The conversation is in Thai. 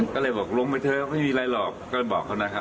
ก็เลยบอกลงไปเถอะไม่มีอะไรหรอกก็บอกเขานะครับ